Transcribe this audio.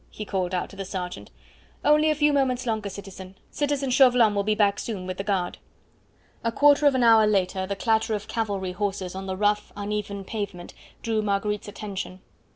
he called out to the sergeant. "Only a few moments longer, citizen. Citizen Chauvelin will be back soon with the guard." A quarter of an hour later the clatter of cavalry horses on the rough, uneven pavement drew Marguerite's attention.